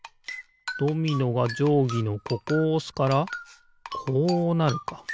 ドミノがじょうぎのここをおすからこうなるか。